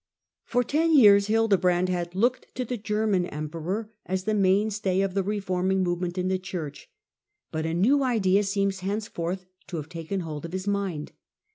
For ten years Hildebrand had looked to the Ger man emperor as the mainstay of the reforming move ment in the Church, but a new idea seems henceforth to have taken hold of his mind.